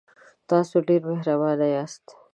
تاسو ډیر مهربانه یاست.